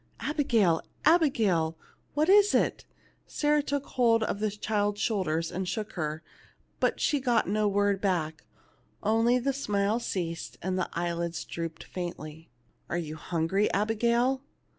" Abigail, Abigail, what is it ?" Sarah took hold of the child's shoulders and shook her ; but she got no word back, only the smile ceased, and the eyelids drooped faintly. "Are you hungry, Abigail